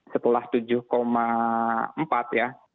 setelah tujuh empat ya